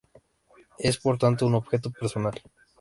Es, por tanto, un objeto personal.